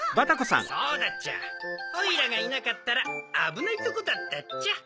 ・そうだっちゃオイラがいなかったらあぶないとこだったっちゃ！